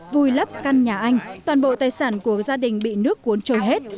vùi lấp căn nhà anh toàn bộ tài sản của gia đình bị nước cuốn trôi hết